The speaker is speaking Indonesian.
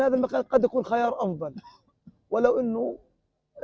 saya menjaga mereka